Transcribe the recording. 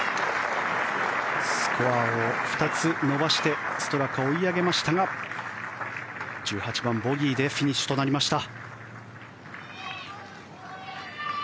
スコアを２つ伸ばしてストラカ、追い上げましたが１８番、ボギーでフィニッシュとなりました。